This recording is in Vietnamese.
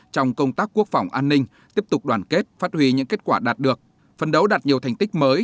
trong công tác quốc phòng an ninh tiếp tục đoàn kết phát huy những kết quả đạt được phân đấu đạt nhiều thành tích mới